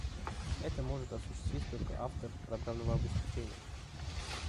Это может осуществить только автор программного обеспечения